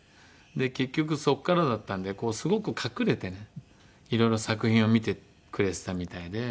結局そこからだったんですごく隠れてねいろいろ作品を見てくれてたみたいで。